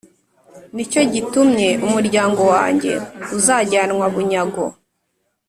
Ni cyo gitumye umuryango wanjye uzajyanwa bunyago,